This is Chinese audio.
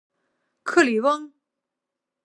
克里翁。